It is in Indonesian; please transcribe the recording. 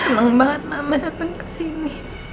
senang banget mama dapat kesini